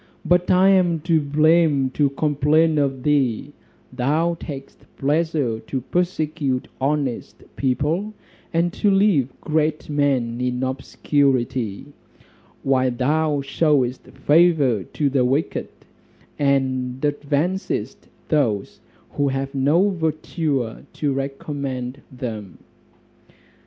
But I am to blame to complain of thee; thou takest pleasure to persecute honest people, and to leave great men in obscurity, while thou shewest favour to the wicked, and advancest those who have no virtue to recommend them."